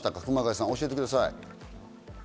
熊谷さん、教えてください。